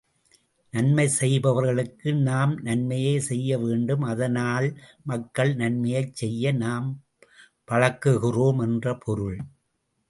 நன்மை செய்பவர்களுக்கு நாம் நன்மையே செய்ய வேண்டும் அதனால், மக்கள் நன்மையைச் செய்ய நாம் பழக்குகிறோம் என்று பொருள்.